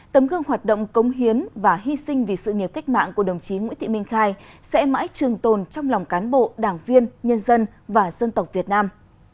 tấm gương hoạt động công hiến và hy sinh vì sự nghiệp cách mạng của đồng chí nguyễn thị minh khai sẽ mãi trường tồn trong lòng cán bộ đảng viên nhân dân và dân tộc việt nam